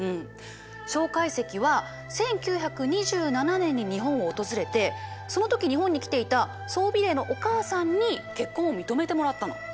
介石は１９２７年に日本を訪れてその時日本に来ていた宋美齢のお母さんに結婚を認めてもらったの。